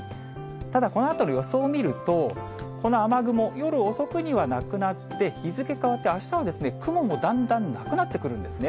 ただ、このあとの予想を見ると、この雨雲、夜遅くにはなくなって、日付変わって、あしたは雲もだんだんなくなってくるんですね。